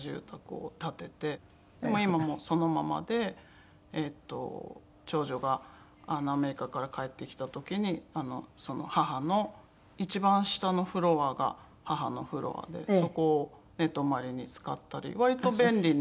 今もそのままで長女がアメリカから帰ってきた時に母の一番下のフロアが母のフロアでそこを寝泊まりに使ったり割と便利に。